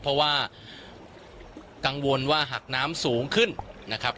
เพราะว่ากังวลว่าหากน้ำสูงขึ้นนะครับ